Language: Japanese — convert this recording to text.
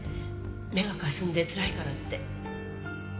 目がかすんでつらいからって。